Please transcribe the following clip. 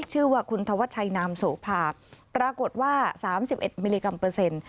ชื่อว่าคุณธวัชชัยนามโสภาปรากฏว่า๓๑มิลลิกรัมเปอร์เซ็นต์